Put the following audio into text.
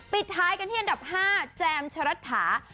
ปิดท้ายกันที่อันดับ๕แจมชะรัฐา